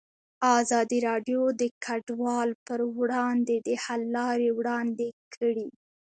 ازادي راډیو د کډوال پر وړاندې د حل لارې وړاندې کړي.